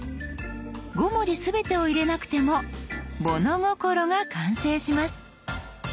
５文字全てを入れなくても「物心」が完成します。